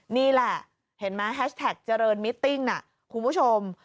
นี่แหละเห็นไหมแฮชแท็กเจริญมิตติ้งน่ะคุณผู้ชม